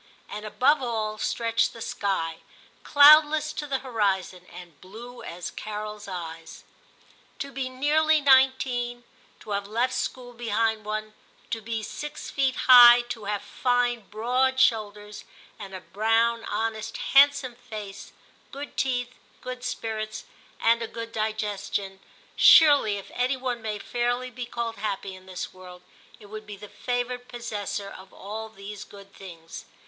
And above all stretched the sky, cloudless to the horizon, and blue as Carols eyes. To be nearly nineteen, to have left school behind one, to be six feet high, to have fine broad shoulders, and a brown, honest, hand some face, good teeth, good spirits, and a good digestion — surely if any one may fairly be called happy in this world, it would be the favoured possessor of all these good things.